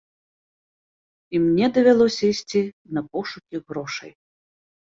І мне давялося ісці на пошукі грошай.